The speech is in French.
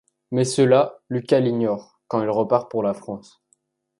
Mais cela, Lucas l'ignore quand il repart pour la France.